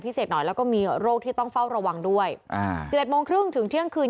พิเศษหน่อยแล้วมีโรคที่ต้องเฝ้าระวังด้วยมากครึ่งถึงเที่ยวคืน